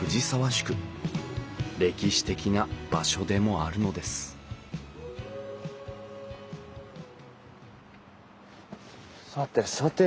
歴史的な場所でもあるのですさてさて